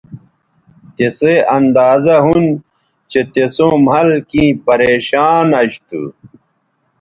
تسئ اندازہ ھُون چہء تِسوں مھل کیں پریشان اش تھو